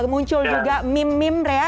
muncul juga meme meme